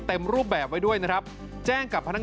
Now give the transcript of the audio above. โทษภาพชาวนี้ก็จะได้ราคาใหม่